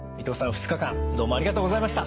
２日間どうもありがとうございました。